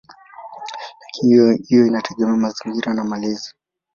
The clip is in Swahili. Lakini hiyo inategemea mazingira na malezi.